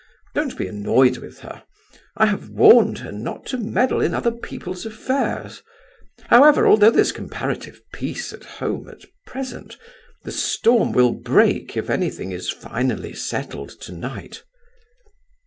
Don't be annoyed with her. I have warned her not to meddle in other people's affairs. However, although there's comparative peace at home at present, the storm will break if anything is finally settled tonight."